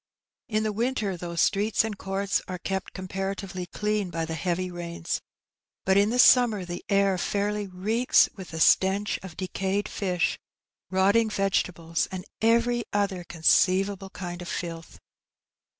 In the winter those streets and conrts are kept comparatively clean by the heavy air iairly reeks with the Addleb's Hall. 13 stench of decayed fish^ rotting vegetables^ and every other conceivable kind of filth.